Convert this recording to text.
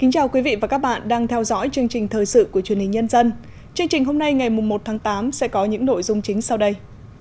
chương trình hôm nay ngày một tháng tám sẽ có những nội dung chính sau đây